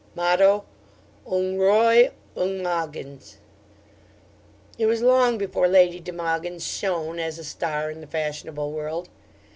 Motto UNG ROY UNG MOGYNS.' It was long before Lady de Mogyns shone as a star in the fashionable world.